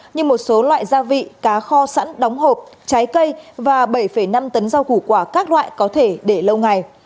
như một số loại gia vị cá kho sẵn đóng hộp trái cây và bảy năm tấn rau củ quả các loại có thể để lâu ngày